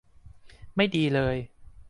ไม่ดีเลย